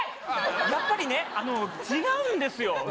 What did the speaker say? やっぱりね、違うんですよ。